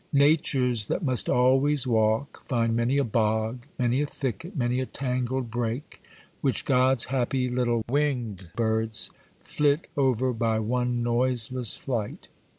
Natures that must always walk find many a bog, many a thicket, many a tangled brake, which God's happy little winged birds flit over by one noiseless flight.